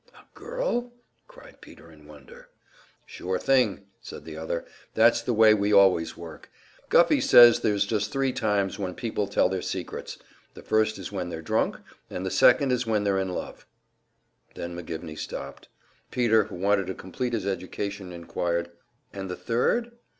"A girl?" cried Peter, in wonder. "Sure thing," said the other. "That's the way we always work. Guffey says there's just three times when people tell their secrets: The first is when they're drunk, and the second is when they're in love " Then McGivney stopped. Peter, who wanted to complete his education, inquired, "And the third?"